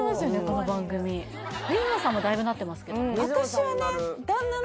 この番組水野さんもだいぶなってますけどね